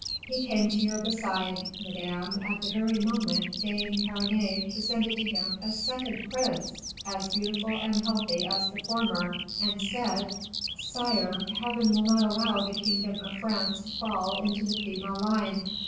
He came to your beside, madame, at the very moment Dame Perronnette presented to him a second prince, as beautiful and healthy as the former, and said 'Sire, Heaven will not allow the kingdom of France to fall into the female line.